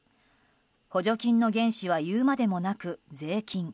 補助金の原資は言うまでもなく税金。